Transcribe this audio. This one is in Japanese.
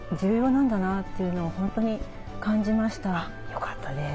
よかったです。